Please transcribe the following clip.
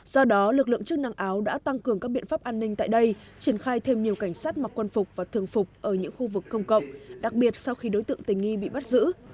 do đó lực lượng chức năng áo đã tăng cường các biện pháp an ninh tại đây triển khai thêm nhiều cảnh sát mặc quân phục và thường phục ở những khu vực công cộng đặc biệt sau khi đối tượng tình nghi bị bắt giữ